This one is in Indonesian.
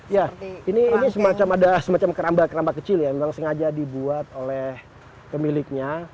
ya ini semacam ada semacam keramba keramba kecil ya memang sengaja dibuat oleh pemiliknya